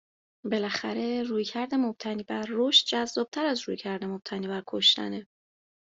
بلاخره رویکرد مبتنی بر رشد جذابتر از رویکرد مبتنی بر کشتنه!